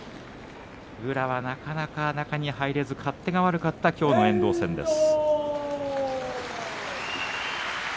宇良は、なかなか中に入れず勝手が悪かったきょうの遠藤戦です。